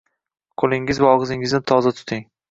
Qo‘lingiz va og‘zingizni tozalab turing.